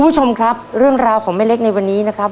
คุณผู้ชมครับเรื่องราวของแม่เล็กในวันนี้นะครับ